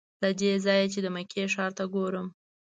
له دې ځایه چې د مکې ښار ته ګورم.